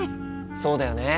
そうだよね。